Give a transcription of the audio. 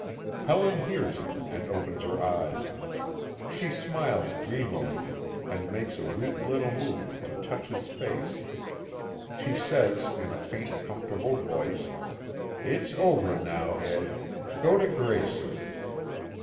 Helen hears him and opens her eyes. She smiles dreamily, and makes a weak little movement to touch his face. She says in a faint, comfortable voice: "It's over now, Ed. Go to Grayson."